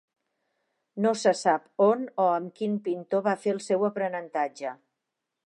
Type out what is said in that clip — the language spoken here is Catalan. No se sap on o amb quin pintor va fer el seu aprenentatge.